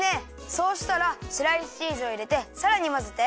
そうしたらスライスチーズをいれてさらにまぜて。